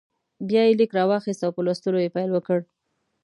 بیا یې لیک راواخیست او په لوستلو یې پیل وکړ.